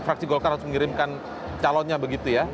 fraksi golkar harus mengirimkan calonnya begitu ya